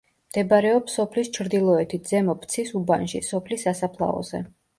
მდებარეობს სოფლის ჩრდილოეთით, ზემო ფცის უბანში, სოფლის სასაფლაოზე.